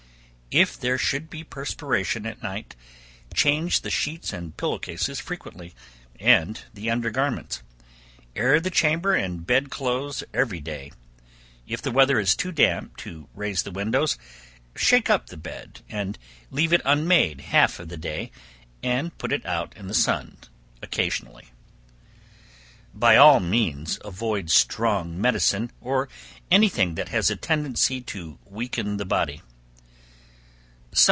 If there should be perspiration at night, change the sheets and pillow cases frequently, and the under garments; air the chamber and bed clothes every day; if the weather is too damp to raise the windows, shake up the bed, and leave it unmade half of the day, and put it out in the sun occasionally. By all means avoid strong medicine, or any thing that has a tendency to weaken the body.